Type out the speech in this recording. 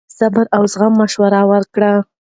مور یې ورته د صبر او زغم مشوره ورکړه.